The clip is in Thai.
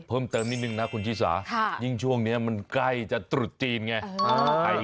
เพิ่มเติมนิดนึงนะคุณชิสายิ่งช่วงนี้มันใกล้จะตรุษจีนไง